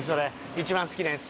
一番好きなやつ。